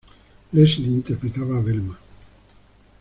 Leslie interpretada a Velma.